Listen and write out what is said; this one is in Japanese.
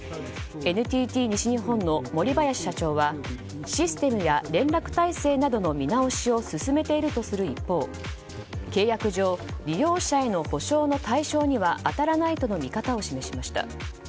ＮＴＴ西日本の森林社長はシステムや連絡体制などの見直しを進めているとする一方契約上利用者への補償の対象には当たらないとの見方を示しました。